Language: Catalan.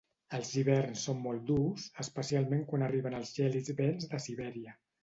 Els hiverns són molt durs, especialment quan arriben els gèlids vents de Sibèria.